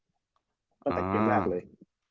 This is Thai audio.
ก็แต่เกมแรกเลย